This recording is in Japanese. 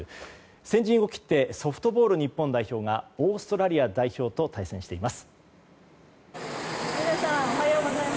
先陣を切ってソフトボール日本代表がオーストラリア代表と対戦しています。